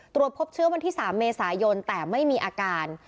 ตรวจพบเชื้อวันที่๓เมษายนแต่ไม่มีอาการ